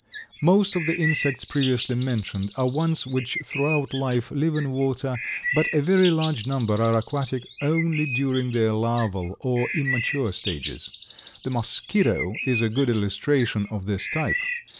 Most of the insects previously mentioned are ones which throughout life live in water, but a very large number are aquatic only during their larval or immature stages. The Mosquito is a good illustration, of this type.